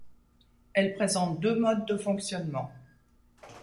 Elle présente deux modes de fonctionnement.